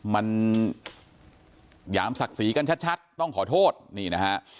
มันหยามศักดิ์ศรีกันชัดต้องขอโทษนี่นะฮะ